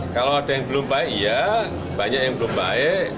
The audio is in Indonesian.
kalau ada yang belum baik iya banyak yang belum baik